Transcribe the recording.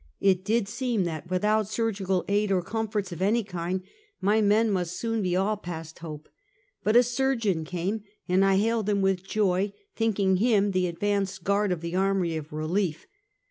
It did seem that, without surgical aid or comforts of any kind, my men must soon be all past hope; but a surgeon came, and I hailed him with joy, thinking him the advance guard of the army of relief.